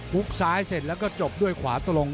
ุกซ้ายเสร็จแล้วก็จบด้วยขวาตรง